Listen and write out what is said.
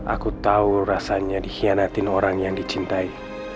aku tahu rasanya dikhianatin orang yang dicintai